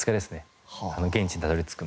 現地にたどり着くまで。